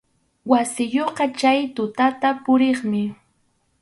Wasiyuqqa chay tutaqa purinmi.